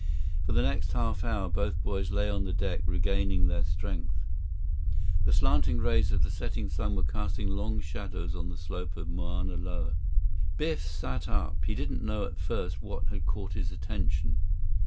For the next half hour, both boys lay on the deck regaining their strength. The slanting rays of the setting sun were casting long shadows on the slope of the Mauna Loa. Biff sat up. He didn't know at first what had caught his attention.